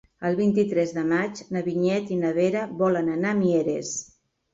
El vint-i-tres de maig na Vinyet i na Vera volen anar a Mieres.